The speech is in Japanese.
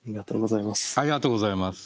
ありがとうございます。